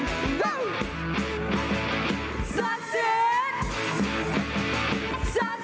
จิงแววมันจะโฟย์จิงแววมันจะโฟย์